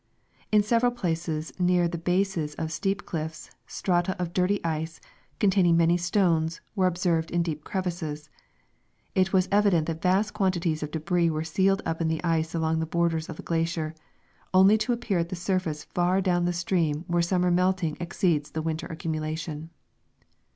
In several places near the bases of steep cliffs, strata of dirty ice, containing many' stones, were ob served in deep crevasses. It was evident that vast quantities of debris were sealed up in the ice along the borders of the glacier, only to appear at the surface far down the stream where summer melting exceeds the winter accumulation.